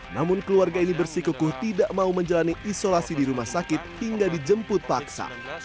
namun keluarga ini bersikukuh tidak mau menjalani isolasi di rumah sakit hingga dijemput paksa